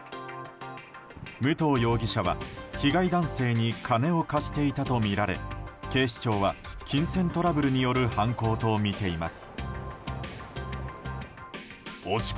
武藤容疑者は被害男性に金を貸していたとみられ警視庁は金銭トラブルによる犯行とみています。